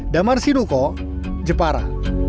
damar sinuko jepara